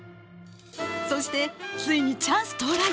そしてついにチャンス到来。